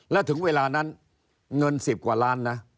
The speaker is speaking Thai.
แล้วถึงเวลานั้นเงิน๑๐กว่าล้านนะ